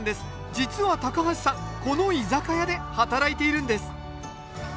実は橋さんこの居酒屋で働いているんです。